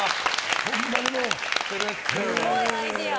すごいアイデア。